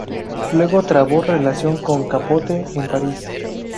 Luego trabó relación con Capote en París.